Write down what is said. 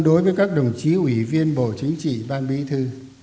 đối với các đồng chí ủy viên bộ chính trị ban bí thư